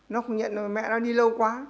nó không nhận rồi mẹ nó đi lâu quá